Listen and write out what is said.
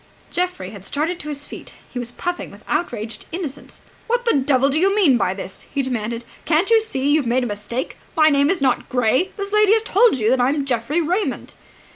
Geoffrey had started to his feet. He was puffing with outraged innocence. "What the devil do you mean by this?" he demanded. "Can't you see you've made a mistake? My name is not Gray. This lady has told you that I am Geoffrey Raymond!"